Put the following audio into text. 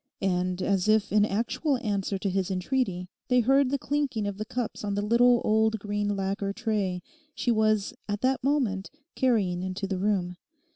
And as if in actual answer to his entreaty, they heard the clinking of the cups on the little, old, green lacquer tray she was at that moment carrying into the room.